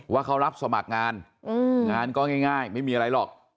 ว่าเขารับสมัครงานงานก็ง่ายไม่มีอะไรหรอก